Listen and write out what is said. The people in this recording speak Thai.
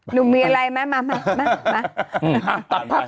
หนูมีอะไรไหมมา